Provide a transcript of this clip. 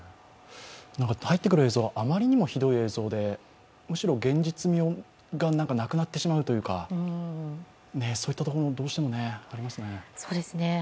入ってくる映像が余りにもひどい映像でむしろ現実味がなくなってしまうというか、そういったところも、どうしてもありますね。